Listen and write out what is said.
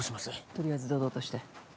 とりあえず堂々として。